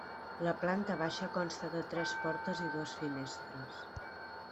La planta baixa consta de tres portes i dues finestres.